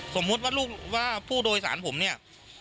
สมมุติว่าลูกว่าผู้โดยสารผมเนี่ย